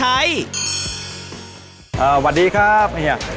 อ่าวันนี้ครับ